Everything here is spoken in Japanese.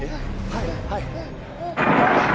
はいはい。